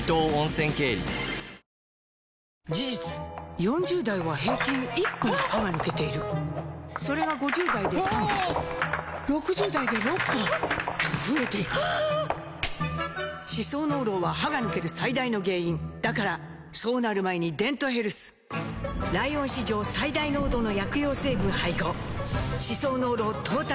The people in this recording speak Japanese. ４０代は平均１本歯が抜けているそれが５０代で３本６０代で６本と増えていく歯槽膿漏は歯が抜ける最大の原因だからそうなる前に「デントヘルス」ライオン史上最大濃度の薬用成分配合歯槽膿漏トータルケア！